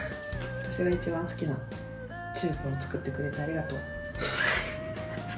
私が一番好きな中華を作ってくれてありがとう。